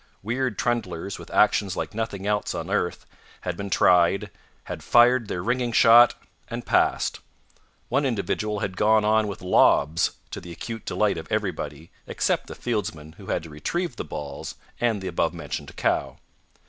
Weird trundlers, with actions like nothing else on earth, had been tried, had fired their ringing shot, and passed. One individual had gone on with lobs, to the acute delight of everybody except the fieldsmen who had to retrieve the balls and the above mentioned cow.